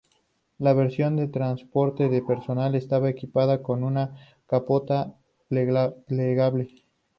La versión de transporte de personal estaba equipada con una capota plegable.